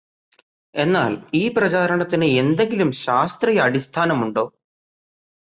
എന്നാല് ഈ പ്രചാരണത്തിന് എന്തെങ്കിലും ശാസ്ത്രീയാടിസ്ഥാനമുണ്ടോ?